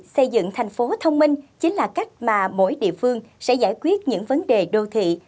xây dựng thành phố thông minh chính là cách mà mỗi địa phương sẽ giải quyết những vấn đề đô thị